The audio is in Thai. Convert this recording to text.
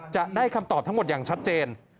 จะได้คำตอบทั้งหมดอย่างชัดเจน